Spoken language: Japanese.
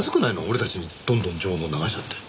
俺たちにどんどん情報流しちゃって。